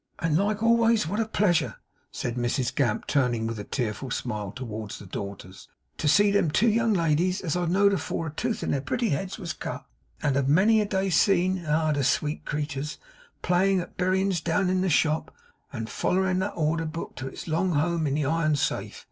'And likeways what a pleasure,' said Mrs Gamp, turning with a tearful smile towards the daughters, 'to see them two young ladies as I know'd afore a tooth in their pretty heads was cut, and have many a day seen ah, the sweet creeturs! playing at berryins down in the shop, and follerin' the order book to its long home in the iron safe!